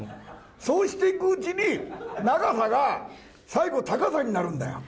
そうしていくうちに、長さが最後、高さになるんだよ。